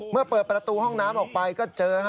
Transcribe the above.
เมื่อเปิดประตูห้องน้ำออกไปก็เจอ